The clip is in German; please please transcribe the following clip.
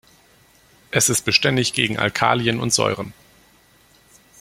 Es ist beständig gegen Alkalien und Säuren.